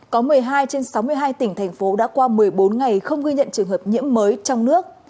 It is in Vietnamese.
có một mươi hai trên sáu mươi hai tỉnh thành phố đã qua một mươi bốn ngày không ghi nhận trường hợp nhiễm mới trong nước